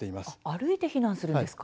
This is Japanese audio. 歩いて避難するんですか。